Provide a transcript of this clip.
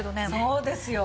そうですよ。